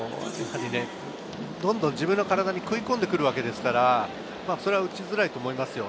どんどん自分の体に食い込んでくるわけですから、それは打ちづらいと思いますよ。